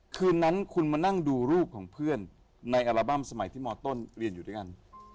คืนนั้นคุณมานั่งดูรูปของเพื่อนในอัลบั้มสมัยที่มต้นเรียนอยู่ด้วยกัน